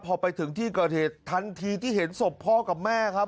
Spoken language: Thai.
พอไปถึงที่เกิดเหตุทันทีที่เห็นศพพ่อกับแม่ครับ